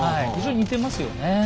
非常に似てますよね。